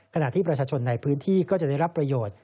ขณะที่ประชาชนในพื้นที่ก็จะได้รับประโยชน์